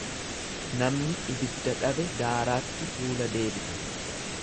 Namni ibidda dhabe daaraatti fuula deebisa.